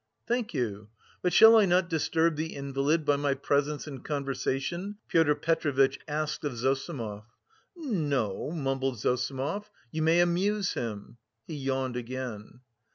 "Thank you. But shall I not disturb the invalid by my presence and conversation?" Pyotr Petrovitch asked of Zossimov. "N no," mumbled Zossimov; "you may amuse him." He yawned again.